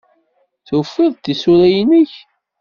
Tufiḍ-d tisura-nnek?